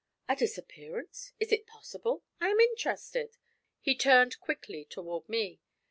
'A disappearance! Is it possible? I am interested.' He turned quickly toward me.